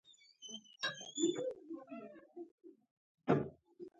دا مېز دروند دی.